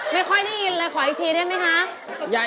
ไม่ค่อยได้ยินเลยขออีกทีได้ไหมคะ